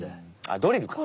あっドリルか。